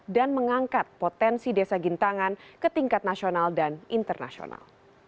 dan mengangkat potensi desa gintangan ke tingkat nasional dan internasional